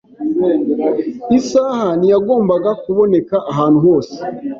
Isaha ntiyagombaga kuboneka ahantu hose.